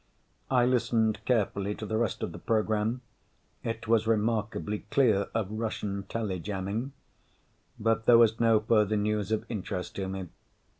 I listened carefully to the rest of the program (it was remarkably clear of Russian telejamming) but there was no further news of interest to me.